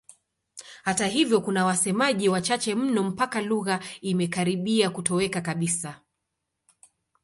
Hata hivyo kuna wasemaji wachache mno mpaka lugha imekaribia kutoweka kabisa.